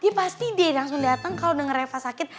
dia pasti deh langsung dateng kalo denger reva sakit